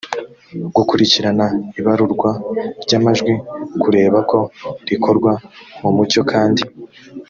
gukurikirana ibarurwa ry amajwi kureba ko rikorwa mu mucyo kandi